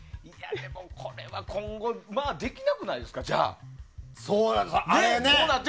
いや、でもこれは今後できなくないですか？